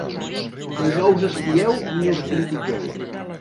I no us espieu ni us critiqueu.